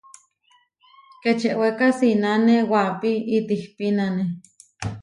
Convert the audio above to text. Kečeweka sinane waʼapí itihpínane.